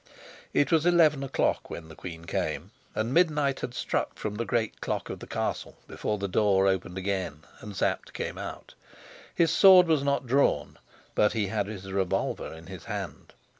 It was eleven o'clock when the queen came, and midnight had struck from the great clock of the castle before the door opened again and Sapt came out. His sword was not drawn, but he had his revolver in his hand.